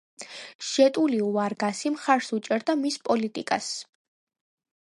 ჟეტულიუ ვარგასი მხარს უჭერდა მის პოლიტიკას.